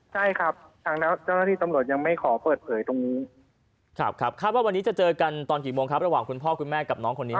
ใช่ครับทางเจ้าหน้าที่ตำรวจยังไม่ขอเปิดเผยตรงนี้ครับครับคาดว่าวันนี้จะเจอกันตอนกี่โมงครับระหว่างคุณพ่อคุณแม่กับน้องคนนี้